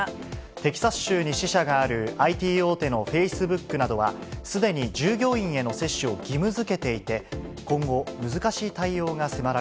テキサス州に支社があるＩＴ大手のフェイスブックなどは、すでに従業員への接種を義務づけていて、今後、難しい対応が迫ら